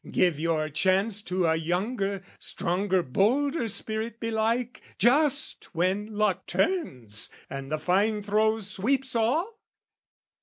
give your chance "To a younger, stronger, bolder spirit belike, "Just when luck turns and the fine throw sweeps all?"